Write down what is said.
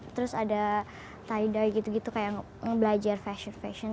terus ada taidoy gitu gitu kayak ngebelajar fashion fashion